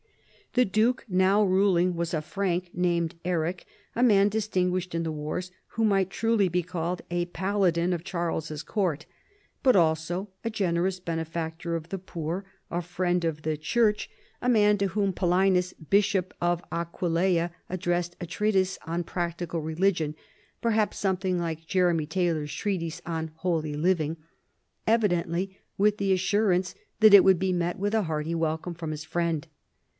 The duke now ruling was a Frank named Eric, a man distinguished in the wars, and who might truly be called a Pala din of Charles's court, but also a generous benefactor of the poor, a friend of the Church, a man to whom WARS WITH AVARS AND SCLAVES. 215 Paulinus^ Bishop of Aquileia, addressed a treatise on practical religion (perhaps something like Jeremy Taylor's treatise on Holy Living), evidently with the assurance that it would meet with a hearty wel come from his friend.